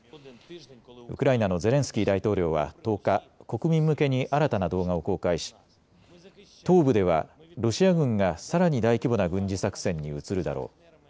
ウクライナのゼレンスキー大統領は１０日、国民向けに新たな動画を公開し東部ではロシア軍がさらに大規模な軍事作戦に移るだろう。